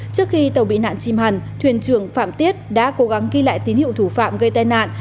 trước khi tàu bị nạn chìm hẳn thuyền trưởng phạm tiết đã cố gắng ghi lại tín hiệu thủ phạm gây tai nạn